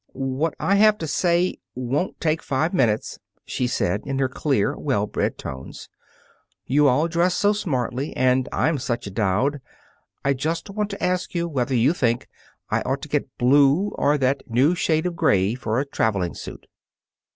"What I have to say won't take five minutes," she said, in her clear, well bred tones. "You all dress so smartly, and I'm such a dowd, I just want to ask you whether you think I ought to get blue, or that new shade of gray for a traveling suit."